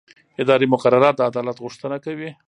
اداري مقررات د عدالت غوښتنه کوي.